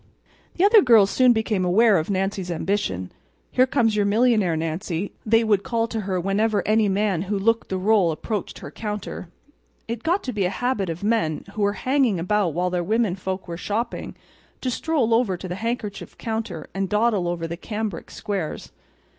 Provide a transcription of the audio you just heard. The other girls soon became aware of Nancy's ambition. "Here comes your millionaire, Nancy," they would call to her whenever any man who looked the rôle approached her counter. It got to be a habit of men, who were hanging about while their women folk were shopping, to stroll over to the handkerchief counter and dawdle over the cambric squares.